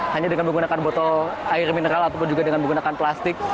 hanya dengan menggunakan botol air mineral ataupun juga dengan menggunakan plastik